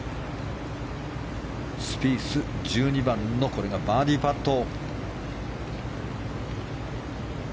スピース１２番のバーディーパット。